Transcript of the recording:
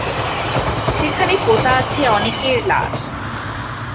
সেখানে পোতা আছে অনেকের লাশ।